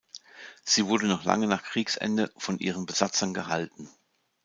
Sie wurde noch lange nach Kriegsende von ihren Besatzern gehalten.